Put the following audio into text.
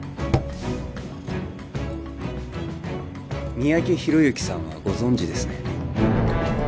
三宅宏之さんはご存じですね？